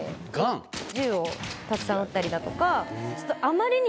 銃をたくさん撃ったりだとか。